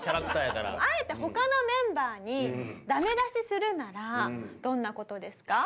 あえて他のメンバーにダメ出しするならどんな事ですか？